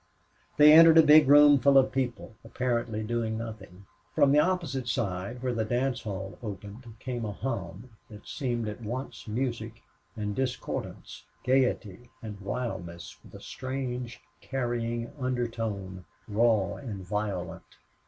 They entered a big room full of people, apparently doing nothing. From the opposite side, where the dance hall opened, came a hum that seemed at once music and discordance, gaiety and wildness, with a strange, carrying undertone raw and violent.